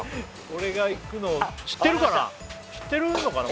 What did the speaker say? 俺が行くの知ってるかな？